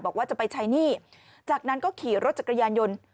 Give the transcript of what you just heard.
บอกว่าจะไปใช้หนี้จากนั้นก็ขี่รถจักรยานยนต์